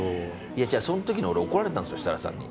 その時に俺、怒られたんです設楽さんに。